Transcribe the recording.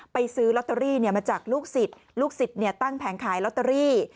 ซื้อลอตเตอรี่มาจากลูกศิษย์ลูกศิษย์ตั้งแผงขายลอตเตอรี่